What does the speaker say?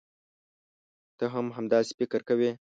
ته هم همداسې فکر کوې.